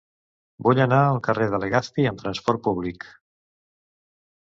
Vull anar al carrer de Legazpi amb trasport públic.